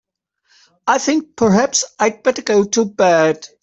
I think perhaps I'd better go to bed.